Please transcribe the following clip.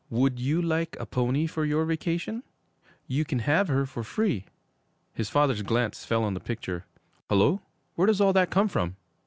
'Would you like a pony for your vacation? You can have her free.' His father's glance fell on the picture. 'Hullo, where does all that come from?'